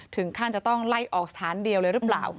ถึงขั้นจะต้องไล่ออกสถานเดียวเลยหรือเปล่า